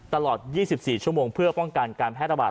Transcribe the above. ตลอด๒๔ชั่วโมงเพื่อป้องกันการแพร่ระบาด